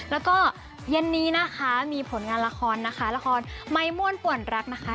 แล้วก็เย็นนี้นะคะมีผลงานละครนะคะละครไม้ม่วนป่วนรักนะคะ